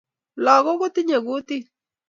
Lakok kitindoi kutit